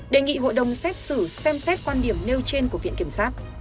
đề nghị hội đồng xét xử xem xét quan điểm nêu trên của viện kiểm sát